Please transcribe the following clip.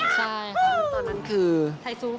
ใช่ทำไมตอนนั้นคือใช่ค่ะ